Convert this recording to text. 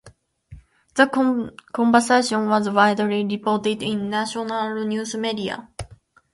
The conversation was widely reported in national news media.